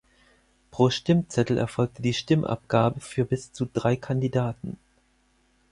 Pro Stimmzettel erfolgte die Stimmabgabe für bis zu drei Kandidaten.